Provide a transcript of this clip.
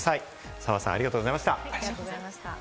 澤さん、ありがとうございました。